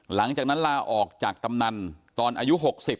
หลังจากนั้นลาออกจากกำนันตอนอายุ๖๐